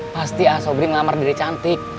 pasti a sobri ngamar dede cantik